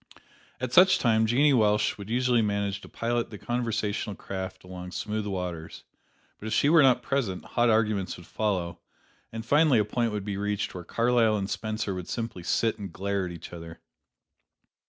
At such times Jeannie Welsh would usually manage to pilot the conversational craft along smooth waters; but if she were not present, hot arguments would follow, and finally a point would be reached where Carlyle and Spencer would simply sit and glare at each other.